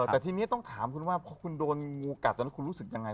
แต่ทีนี้ต้องถามคุณว่าพอคุณโดนงูกัดตอนนั้นคุณรู้สึกยังไง